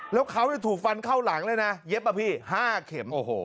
แล้วเขาถูกฟันเข้าหลังเลยนะเย็บอะพี่๕เข็ม